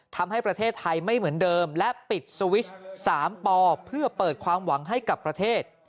ทำให้ประเทศไทยไม่เหมือนเดิมและปิดสวิช๓ปอเพื่อเปิดความหวังให้กับประเทศ